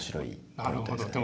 なるほど。